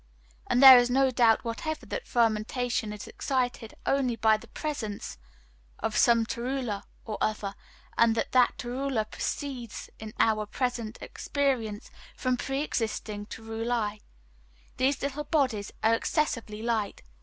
And there is no doubt whatever that fermentation is excited only by the presence of some torula or other, and that that torula proceeds in our present experience, from pre existing torulae. These little bodies are excessively light.